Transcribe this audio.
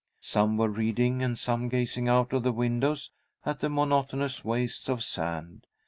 Some were reading, and some gazing out of the windows at the monotonous wastes of sand.